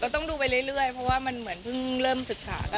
ต้องดูไปเรื่อยเพราะว่ามันเหมือนเพิ่งเริ่มศึกษากัน